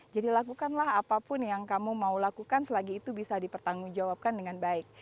jadi lakukanlah apapun yang kamu mau lakukan selagi itu bisa dipertanggung jawabkan dengan baik